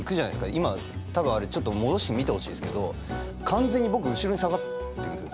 今多分あれちょっと戻して見てほしいですけど完全に僕後ろに下がってくんですよ。